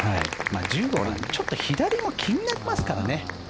１５番、ちょっと左も気になりますからね。